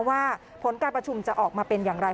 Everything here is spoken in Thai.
ว่าผลการประชุมจะออกมาเป็นอย่างไร